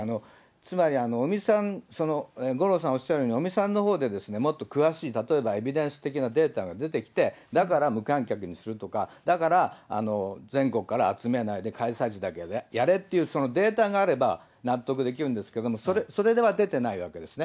つまり、尾身さん、五郎さんおっしゃるように、尾身さんのほうでもっと詳しい、例えばエビデンス的なデータが出てきて、だから無観客にするとか、だから全国から集めないで開催地だけでやれっていう、データがあれば納得できるんですけども、それは出てないわけですね。